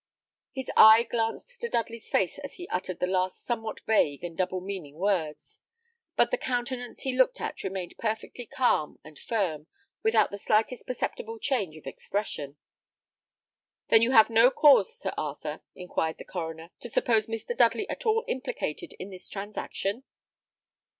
His eye glanced to Dudley's face as he uttered the last somewhat vague and double meaning words; but the countenance he looked at remained perfectly calm and firm, without the slightest perceptible change of expression. "Then you have no cause, Sir Arthur," inquired the coroner, "to suppose Mr. Dudley at all implicated in this transaction?"